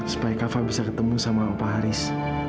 supaya kava bisa ketemu sama pak haris